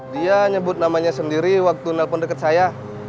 dia nyebut namanya sendiri waktu nelfon deket saya